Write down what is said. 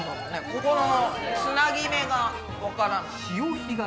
ここのつなぎ目がわからない。